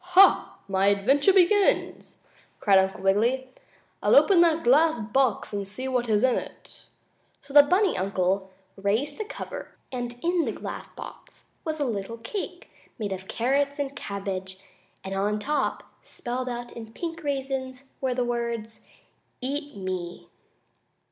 "Ha! My adventure begins!" cried Uncle Wiggily. "I'll open that glass box and see what is in it." So the bunny uncle raised the cover, and in the glass box was a little cake, made of carrots and cabbage, and on top, spelled out in pink raisins, were the words: "EAT ME!"